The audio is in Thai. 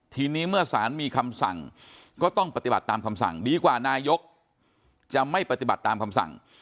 ทีนี้เมื่อสารมีคำสั่งก็ต้องปฏิบัติตามคำสั่งดีกว่านายกจะไม่ปฏิบัติตามคำสั่ง